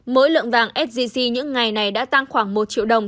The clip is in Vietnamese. mỗi lượng vàng sgc những ngày này đã tăng khoảng một triệu đồng